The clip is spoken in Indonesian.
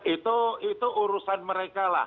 itu urusan mereka lah